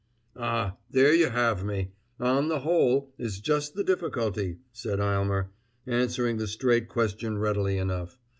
"Ah, there you have me. 'On the whole' is just the difficulty," said Aylmer, answering the straight question readily enough.